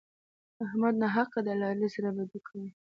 احمد ناحقه له علي سره بدي کوي.